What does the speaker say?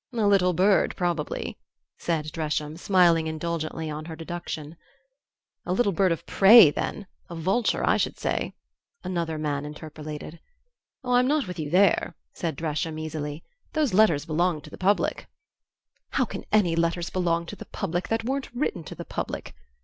"A little bird, probably," said Dresham, smiling indulgently on her deduction. "A little bird of prey then a vulture, I should say " another man interpolated. "Oh, I'm not with you there," said Dresham, easily. "Those letters belonged to the public." "How can any letters belong to the public that weren't written to the public?"